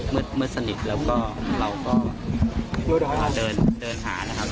มืดสนิทแล้วก็เราก็เดินหานะครับ